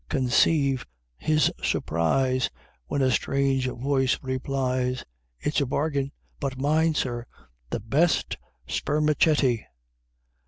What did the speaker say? Conceive his surprise When a strange voice replies, "It's a bargain! but, mind, sir, THE BEST SPERMACETI!"